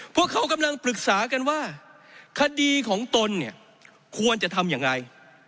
พวกเขากำลังปรึกษากันว่าคดีของตนเนี่ยควรจะทำยังไง